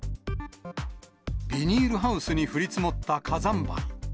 ビニールハウスに降り積もった火山灰。